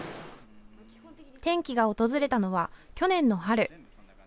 転機が訪れたのは、去年の春。